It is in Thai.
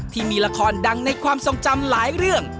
ที่มีละครดังในความทรงจำหลายเรื่อง